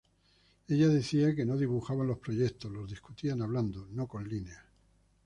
Ella decía que no dibujaban los proyectos, los discutían hablando, no con líneas.